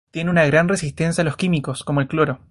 Tiene una gran resistencia a los químicos, como el cloro.